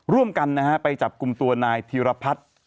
ร่วมกันนะฮะไปจับกลุ่มตัวนายธีรพัฒน์